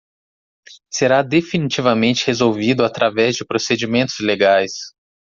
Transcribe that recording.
Será definitivamente resolvido através de procedimentos legais